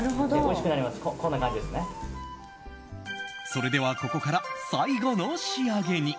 それではここから最後の仕上げに。